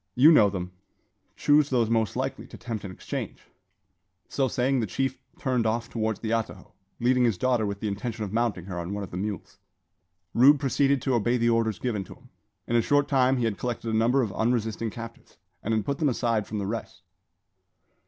You know them: chose those most likely to tempt an exchange." So saying, the chief turned off towards the atajo, leading his daughter with the intention of mounting her on one of the mules. Rube proceeded to obey the orders given him. In a short time he had collected a number of unresisting captives, and had put them aside from the rest.